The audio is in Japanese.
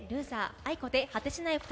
ａｉｋｏで「果てしない二人」。